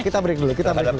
kita break dulu